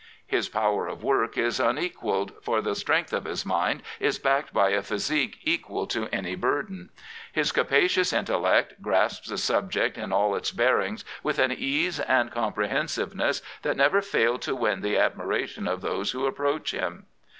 His power of work is unequalled, for the strength of his mind is backed by a physique equal to any burden. His capacious intellect grasps a subject in all its bearings with an ease and comprehensiveness that never fail to win the admiration of those wh<^ approach him.